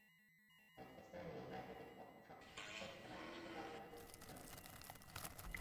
Manchester ইউনাইটেডের পক্ষে সবচেয়ে বেশি ম্যাচ খেলা শীর্ষ দশ জনের মধ্যে তিনি অন্যতম।